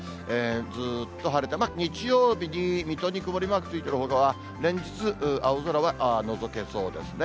ずっと晴れて、日曜日に水戸に曇りマークついてるほかは、連日、青空がのぞけそうですね。